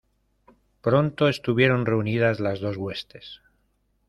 pronto estuvieron reunidas las dos huestes: